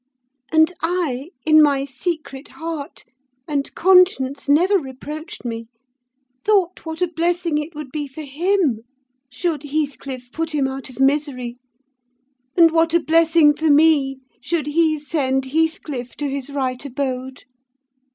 And I, in my secret heart (and conscience never reproached me), thought what a blessing it would be for him should Heathcliff put him out of misery; and what a blessing for me should he send Heathcliff to his right abode!